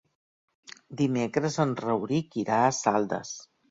Dimecres en Rauric irà a Saldes.